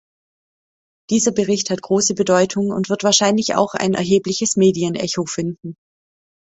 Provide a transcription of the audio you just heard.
Dieser Bericht hat große Bedeutung und wird wahrscheinlich auch ein erhebliches Medienecho finden.